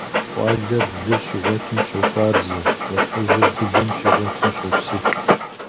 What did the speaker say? Къуалэр лы щигъуэтым щохуарзэ, уэркъыжьыр былым щигъуэтым щопсых.